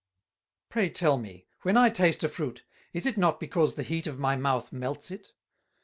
"Pray tell me, when I taste a Fruit, is it not because the Heat of my Mouth melts it?